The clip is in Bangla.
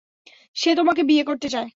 সে তোমাকে বিয়ে করতে চায়।